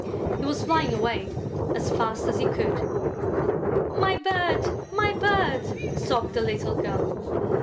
He was flying away as fast as he could. "My bird! My bird!" sobbed the little girl.